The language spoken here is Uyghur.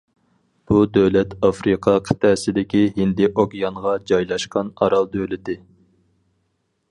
بۇ دۆلەت ئافرىقا قىتئەسىدىكى ھىندى ئوكيانغا جايلاشقان ئارال دۆلىتى.